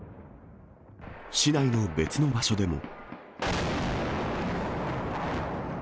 市内の別の場所でも。